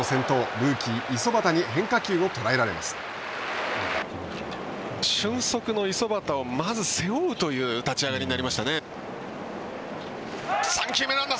ルーキー五十幡に俊足の五十幡をまず背負うという立ち上がりになりましたね。